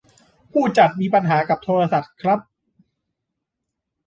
ผู้จัดมีปัญหากับโทรศัพท์ครับ